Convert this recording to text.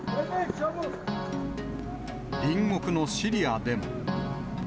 隣国のシリアでも。